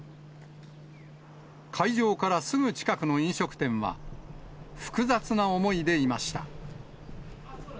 会場からすぐ近くの飲食店は、複雑な思いでいました。